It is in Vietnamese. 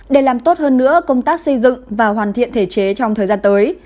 để làm tốt hơn nữa công tác xây dựng và hoàn thiện thể chế trong thời gian tới